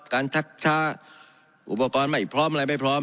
ชักช้าอุปกรณ์ไม่พร้อมอะไรไม่พร้อม